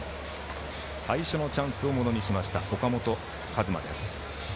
最初のチャンスをものにしました、岡本和真です。